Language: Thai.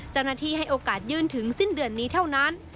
เจ้าหน้าที่ให้โอกาสยื่นถึงสิ้นเดือนนี้เท่านั้น